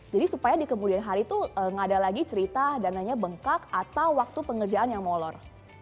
jadi supaya di kemudian hari tuh gak ada lagi cerita dananya bengkak atau waktu pekerjaan yang molor